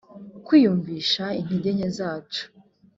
kwiyumvisha intege nke zacu